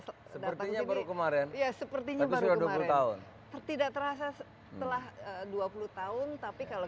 sepertinya baru kemarin ya sepertinya baru dua puluh tahun tidak terasa setelah dua puluh tahun tapi kalau